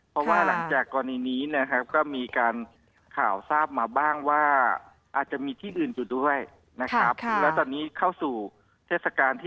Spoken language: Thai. พระราชิกกรุณีมีการข่าวทราบมาบ้างว่าอาจจะมีที่อื่นอยู่ด้วย